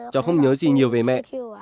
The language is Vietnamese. cháu không nhớ gì nhiều về mẹ